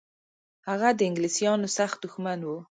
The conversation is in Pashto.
هغه د انګلیسانو سخت دښمن و.